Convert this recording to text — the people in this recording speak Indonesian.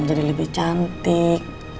jadi lebih cantik